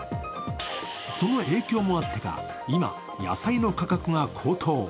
その影響もあってか今、野菜の価格が高騰。